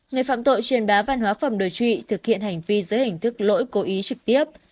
người phạm tội chuyển bá văn hóa phẩm đối trị thực hiện hành vi giữa hình thức lỗi cố ý trực tiếp